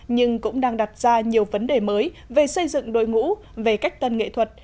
nhưng cũng đang đặt ra nhiều vấn đề mới về xây dựng đội ngũ về cách tân nghệ thuật